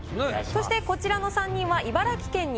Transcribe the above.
そしてこちらの３人は。